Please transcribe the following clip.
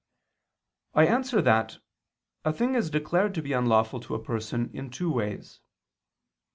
I answer that, A thing is declared to be unlawful to a person in two ways.